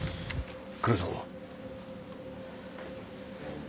来るぞ。